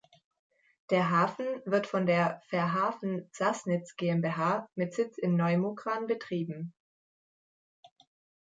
Der Hafen wird von der "Fährhafen Sassnitz GmbH" mit Sitz in Neu Mukran betrieben.